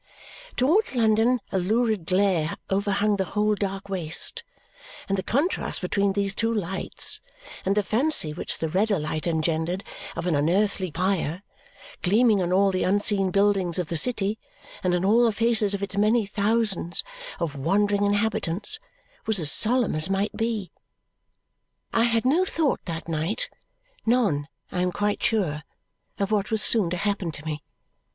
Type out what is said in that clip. Towards London a lurid glare overhung the whole dark waste, and the contrast between these two lights, and the fancy which the redder light engendered of an unearthly fire, gleaming on all the unseen buildings of the city and on all the faces of its many thousands of wondering inhabitants, was as solemn as might be. I had no thought that night none, I am quite sure of what was soon to happen to me.